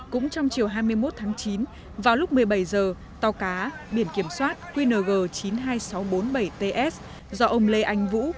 cũng trong chiều hai mươi một tháng chín vào lúc một mươi bảy h tàu cá biển kiểm soát qng chín mươi hai nghìn sáu trăm bốn mươi bảy ts do ông lê anh vũ